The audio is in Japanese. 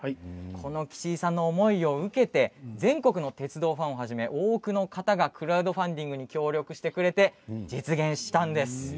この岸井さんの思いを受けて全国の鉄道ファンはじめ多くの方がクラウドファンディングに協力してくれて実現できたんです。